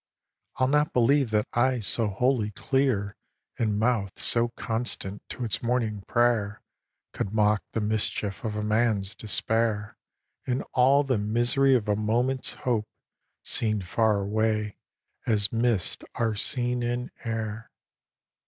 I'll not believe that eyes so holy clear And mouth so constant to its morning prayer Could mock the mischief of a man's despair And all the misery of a moment's hope Seen far away, as mists are seen in air.